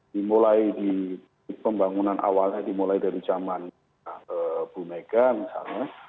dimulai di pembangunan awalnya dimulai dari zaman bu mega misalnya